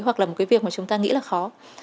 hoặc là một cái việc mà chúng ta nghĩ là khó